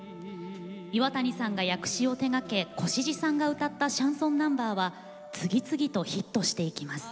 岩谷さんが訳詞を手がけ越路さんが歌ったシャンソンナンバーは次々とヒットをしていきます。